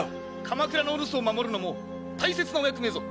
鎌倉のお留守を守るのも大切なお役目ぞ。